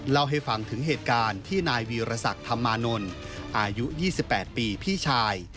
เล่าให้ฟังถึงเหตุการณ์ที่นายวีรศักดิ์ธรรมานนท์อายุ๒๘ปีพี่ชาย